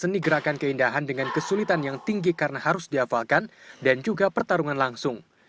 seni gerakan keindahan dengan kesulitan yang tinggi karena harus dihafalkan dan juga pertarungan langsung